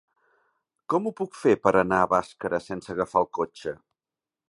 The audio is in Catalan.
Com ho puc fer per anar a Bàscara sense agafar el cotxe?